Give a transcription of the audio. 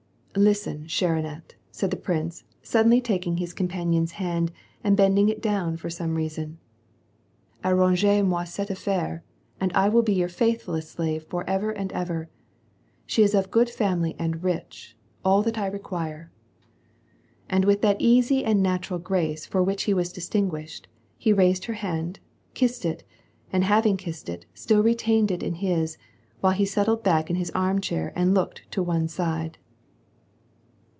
" Listen, chere Annette," said the prince, suddenly cl,itii his companion's hand and bending it down for some reas< ^^ Arrangez moi cette affaire and I will be your faithfulh slave forever and ever. She is of good family and riclbc' — that I require." And with that easy and natural grace for which he was di! tinguished, he raised her hand, kissed it, and having kissed i1 still retained it in his, while he settled back in his arm cJ and looked to one side.